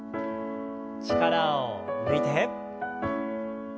力を抜いて。